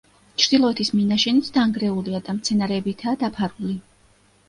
ჩრდილოეთის მინაშენიც დანგრეულია და მცენარეებითაა დაფარული.